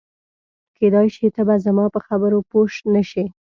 کېدای شي ته به زما په خبرو پوه نه شې.